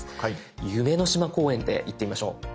夢の島公園でいってみましょう。